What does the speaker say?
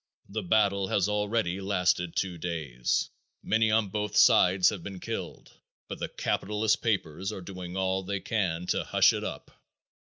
The battle has already lasted two days. Many on both sides have been killed, but the capitalist papers are doing all they can to hush it up.